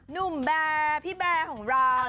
แบร์พี่แบร์ของเรา